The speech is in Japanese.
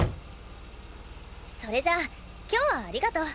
それじゃあ今日はありがと！